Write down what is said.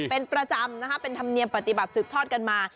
เป็นประจำนะคะเป็นธรรมเนียมปฏิบัติสืบทอดกันมา